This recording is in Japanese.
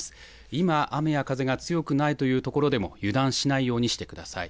今、雨や風が強くないというところでも油断しないようにしてください。